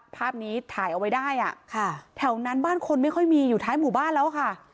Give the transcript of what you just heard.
ภาพนี้ถ่ายเอาไว้ได้อ่ะค่ะแถวนั้นบ้านคนไม่ค่อยมีอยู่ท้ายหมู่บ้านแล้วค่ะ